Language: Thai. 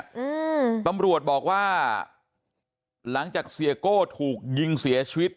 อืมตำรวจบอกว่าหลังจากเสียโก้ถูกยิงเสียชีวิต